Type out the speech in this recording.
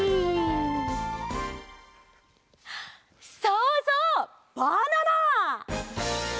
そうそうバナナ！